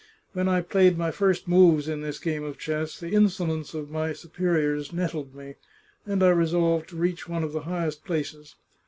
When I played my first moves in this game of chess the insolence of my su periors nettled me, and I resolved to reach one of the high est places.